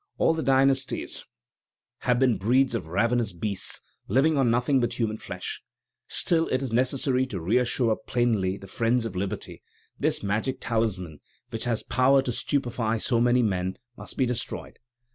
All the dynasties have been breeds of ravenous beasts, living on nothing but human flesh; still it is necessary to reassure plainly the friends of liberty; this magic talisman, which still has power to stupefy so many men, must be destroyed."